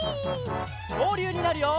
きょうりゅうになるよ！